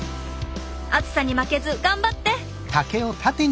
暑さに負けず頑張って！